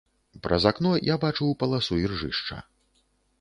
Праз акно я бачыў паласу іржышча.